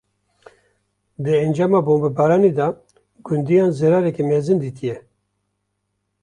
Di encama bombebaranê de gundiyan, zirareke mezin dîtiye